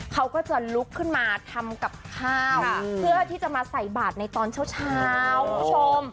เขาก็จะลุกขึ้นมาทำกับข้าวเพื่อที่จะมาใส่บาทในตอนเช้าคุณผู้ชม